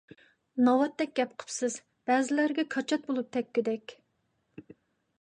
ناۋاتتەك گەپ قىپسىز، بەزىلەرگە كاچات بولۇپ تەگكۈدەك!